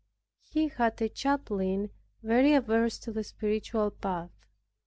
He had a chaplain very averse to the spiritual path.